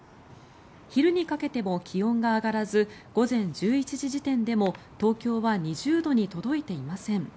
昼にかけても気温が上がらず午前１１時時点でも東京は２０度に届いていません。